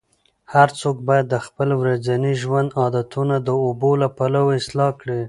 هر څوک باید د خپل ورځني ژوند عادتونه د اوبو له پلوه اصلاح کړي.